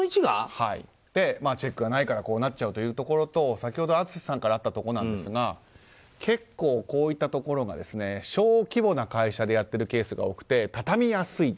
チェックがないからこうなっちゃうというところと先ほど淳さんからあったところですが結構こういったところが小規模な会社でやっているケースが多くてたたみやすい。